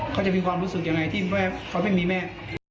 เขาจะมีความรู้สึกยังไงที่ว่าเขาไม่มีแม่